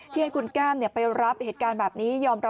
ที่ให้คุณแก้มไปรับเหตุการณ์แบบนี้